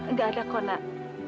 nggak ada kok nak